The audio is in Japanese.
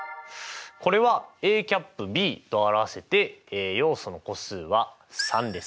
これはＡ∩Ｂと表せて要素の個数は３です。